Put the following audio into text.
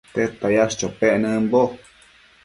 ¿Tedta yash chopec nëmbo ?